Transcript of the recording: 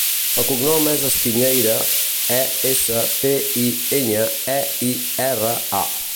El cognom és Espiñeira: e, essa, pe, i, enya, e, i, erra, a.